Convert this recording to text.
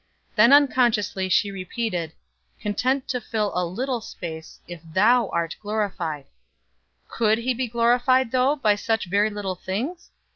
Then unconsciously she repeated: "Content to fill a little space If Thou art glorified." Could He be glorified, though, by such very little things?